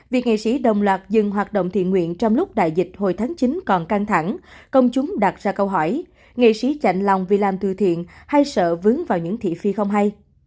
việc nghệ sĩ đồng loạt dừng hoạt động thiện nguyện trong lúc đại dịch hồi tháng chín còn căng thẳng công chúng đặt ra câu hỏi nghệ sĩ chạy lòng vì làm từ thiện hay sợ vướng vào những thị phi không hay